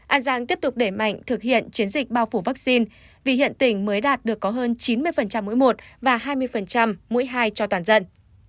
an giang tiếp tục để mạnh thực hiện chiến dịch bao phủ vaccine vì hiện tỉnh mới đạt được có hơn chín mươi mỗi một và hai mươi mũi hai cho toàn dân